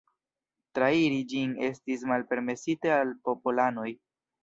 Trairi ĝin estis malpermesite al popolanoj.